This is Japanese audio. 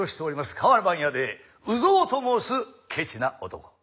かわら版屋で鵜蔵と申すケチな男。